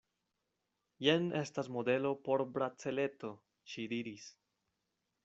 Jen estas modelo por braceleto, ŝi diris.